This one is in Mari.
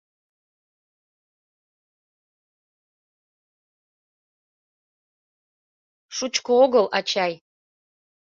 Шучко огыл, ачай.